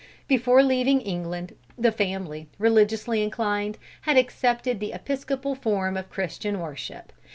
Before leaving England the family, religiously inclined, had accepted the Episcopal form of Christian worship.